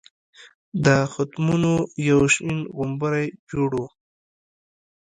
د ختمونو یو شین غومبر جوړ وو.